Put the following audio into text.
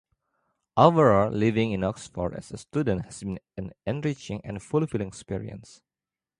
Overall, living in Oxford as a student has been an enriching and fulfilling experience.